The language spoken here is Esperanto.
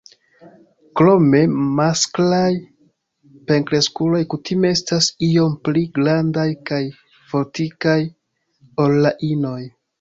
Krome masklaj plenkreskuloj kutime estas iom pli grandaj kaj fortikaj ol la inoj.